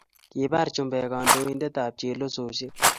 kibar chumbeek kandoindet ab chelososiek